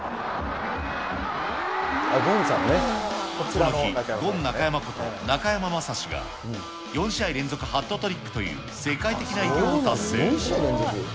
この日、ゴン中山こと中山雅史が４試合連続ハットトリックという世界的な偉業を達成。